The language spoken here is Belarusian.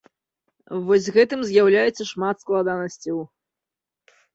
Вось з гэтым з'яўляецца шмат складанасцяў.